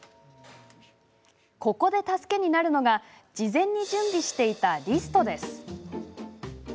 ここで助けになるのが事前に準備していたリストです。